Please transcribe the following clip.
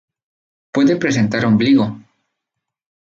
Puede presentar ombligo.